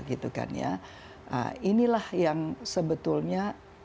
inilah yang sebetulnya